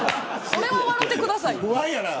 それは笑ってください。